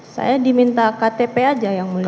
saya diminta ktp aja yang mulia